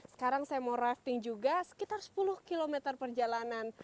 sekarang saya mau rafting juga sekitar sepuluh km perjalanan